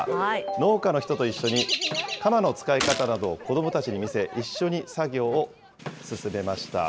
農家の人と一緒に鎌の使い方などを子どもたちに見せ、一緒に作業を進めました。